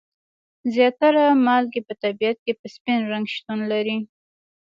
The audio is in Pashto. زیاتره مالګې په طبیعت کې په سپین رنګ شتون لري.